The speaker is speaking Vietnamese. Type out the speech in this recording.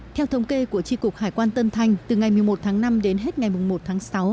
theo thống kê của tri cục hải quan tân thanh từ ngày một mươi một tháng năm đến hết ngày một tháng sáu